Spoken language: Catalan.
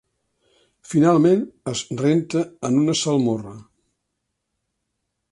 Finalment es renta en una salmorra.